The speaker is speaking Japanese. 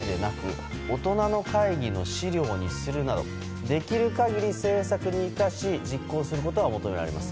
ただ、ここからが大事で若者の意見をただ聞くだけでなく大人の会議の資料にするなどできる限り政策に生かし実行することが求められます。